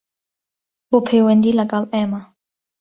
بۆ پەیوەندی لەگەڵ ئێمە